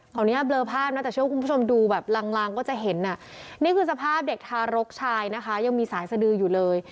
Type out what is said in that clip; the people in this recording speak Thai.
อนุญาตเบลอภาพนะแต่เชื่อว่าคุณผู้ชมดูแบบลางก็จะเห็นนี่คือสภาพเด็กทารกชายนะคะยังมีสายสดืออยู่เลย